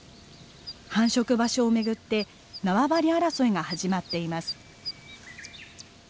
繁殖場所をめぐって縄張り争いが始まっています。